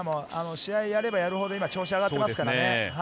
試合やればやるほど、今、調子、上がっていますからね。